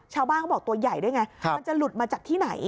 ชาวบ้านเขาบอกตัวใหญ่ได้ไงมันจะหลุดมาจากที่ไหน